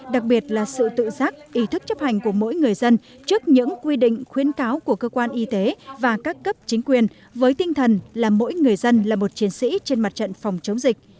đặc biệt là sự tự giác ý thức chấp hành của mỗi người dân trước những quy định khuyến cáo của cơ quan y tế và các cấp chính quyền với tinh thần là mỗi người dân là một chiến sĩ trên mặt trận phòng chống dịch